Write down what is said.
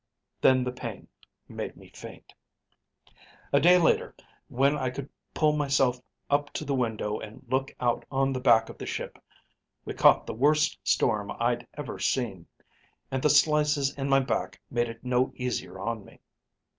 "Then the pain made me faint. "A day later, when I could pull myself up to the window and look out on the back of the ship, we caught the worst storm I'd ever seen, and the slices in my back made it no easier on me.